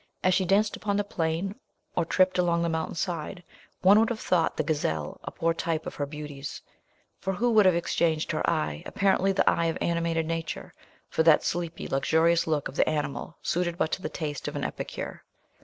As she danced upon the plain, or tripped along the mountain's side, one would have thought the gazelle a poor type of her beauties; for who would have exchanged her eye, apparently the eye of animated nature, for that sleepy luxurious look of the animal suited but to the taste of an epicure.